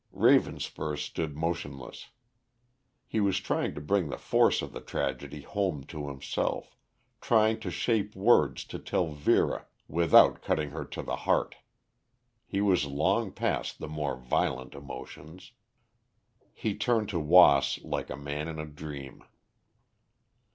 Ravenspur stood motionless. He was trying to bring the force of the tragedy home to himself, trying to shape words to tell Vera without cutting her to the heart. He was long past the more violent emotions. He turned to Wass like a man in a dream.